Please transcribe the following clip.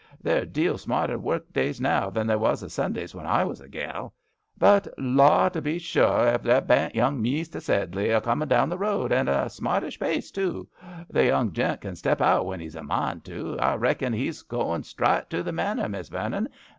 They're deal smarter work a days now than they was o' 158 GRANNY LOVELOCK AT HOliX. Sundays when I was a gaL But law to be sure, ef 'ere bain't young Mester Sedley a comin* down the road, and a smartish pace too. The young gent can step out when 'ees a mine to. I reckon 'ees goin* strite to the Manor, Miss Vernon.